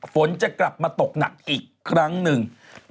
ฝนจะกลับมาตกหนักอีกครั้งหนึ่ง